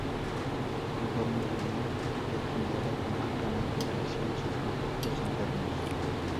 Conforme Benín declinaba económicamente crecían sus conflictos internos.